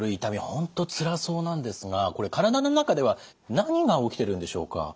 本当つらそうなんですがこれ体の中では何が起きてるんでしょうか？